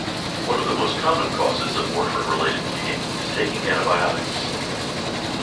One of the most common causes of warfarin-related bleeding is taking antibiotics.